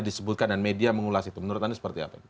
disebutkan dan media mengulas itu menurut anda seperti apa